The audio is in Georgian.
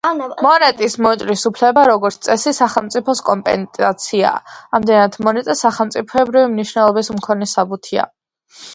მონეტის მოჭრის უფლება, როგორც წესი, სახელმწიფოს კომპეტენციაა; ამდენად, მონეტა სახელმწიფოებრივი მნიშვნელობის მქონე საბუთია.